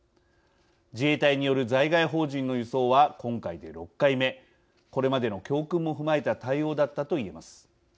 自衛隊による在外邦人の輸送は今回で６回目これまでの教訓も踏まえた対応だったと言えます。